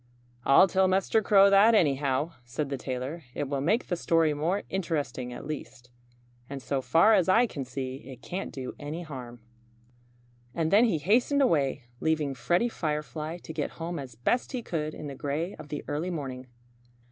"I'll tell Mr. Crow that, anyhow," said the tailor. "It will make the story more interesting, at least. And so far as I can see, it can't do any harm." And then he hastened away, leaving Freddie Firefly to get home as best he could in the gray of the early morning.